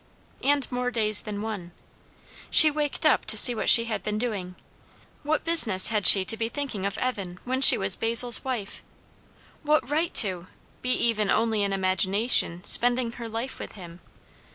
And more days than one. She waked up to see what she had been doing. What business had she to be thinking of Evan, when she was Basil's wife? what right to, be even only in imagination, spending her life with him?